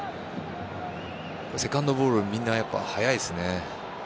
セカンドボールみんな速いですね。